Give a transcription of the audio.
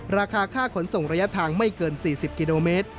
ราคาค่าขนส่งระยะทางไม่เกิน๔๐กิโลเมตร